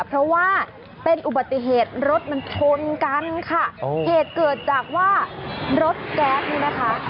เพราะว่าเป็นอุบัติเหตุรถมันชนกันค่ะเหตุเกิดจากว่ารถแก๊สนี่นะคะ